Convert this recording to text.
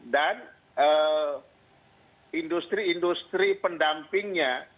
dan industri industri pendampingnya